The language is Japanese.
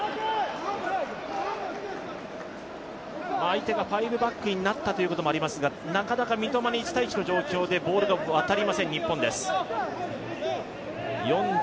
相手がファイブバックになったというところもありますがなかなか三笘に１対１の状態でボールが渡りません、日本です。